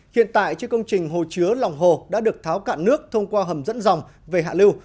hiện tại chứ công trình hồ chứa lòng hồ đã được tháo cạn nước thông qua hầm dẫn dòng về hạ lưu